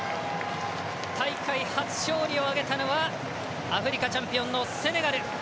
大会初勝利を挙げたのはアフリカチャンピオンのセネガル。